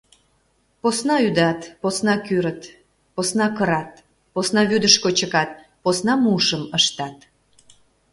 Посна ӱдат, посна кӱрыт, посна кырат, посна вӱдышкӧ чыкат, посна мушым ыштат.